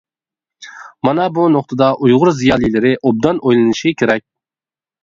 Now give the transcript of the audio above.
مانا بۇ نۇقتىدا ئۇيغۇر زىيالىيلىرى ئوبدان ئويلىنىشى كېرەك.